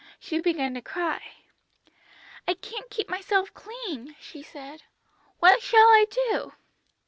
She began to cry. "'I can't keep myself clean,' she said; 'what shall I do?'